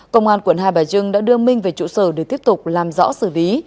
công an quận hai bà trưng đã đưa minh về trụ sở để tiếp tục làm rõ xử lý